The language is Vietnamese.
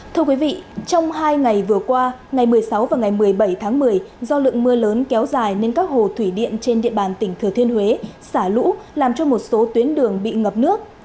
thưa quý vị trong hai ngày vừa qua ngày một mươi sáu và ngày một mươi bảy tháng một mươi do lượng mưa lớn kéo dài nên các hồ thủy điện trên địa bàn tỉnh thừa thiên huế xả lũ làm cho một số tuyến đường bị ngập nước